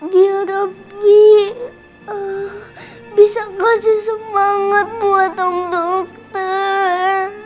biar abi bisa kasih semangat buat om dokter